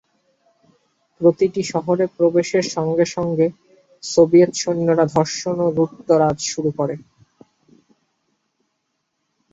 প্রতিটি শহরে প্রবেশের সঙ্গে সঙ্গে সোভিয়েত সৈন্যরা ধর্ষণ ও লুটতরাজ শুরু করে।